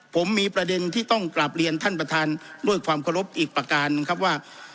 ผมมีประเด็นที่ต้องกลับเรียนท่านประธานด้วยความเคารพอีกประการนะครับว่า